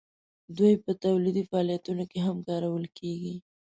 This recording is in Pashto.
دوی په تولیدي فعالیتونو کې هم کارول کیږي.